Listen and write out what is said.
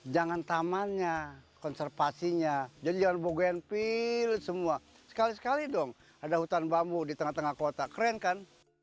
jangan tamannya konservasinya jadi jangan bogenpil semua sekali sekali dong ada hutan bambu di tengah tengah kota keren kan